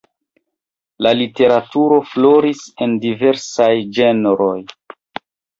La literaturo floris en diversaj ĝenroj.